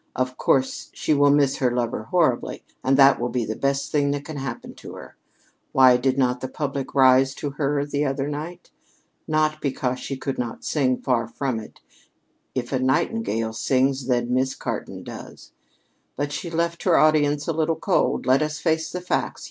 "Of course she will miss her lover horribly, and that will be the best thing that can happen to her. Why did not the public rise to her the other night? Not because she could not sing: far from it. If a nightingale sings, then Miss Cartan does. But she left her audience a little cold. Let us face the facts.